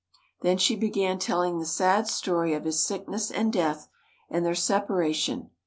Then she began telling the sad story of his sickness and death and their separation.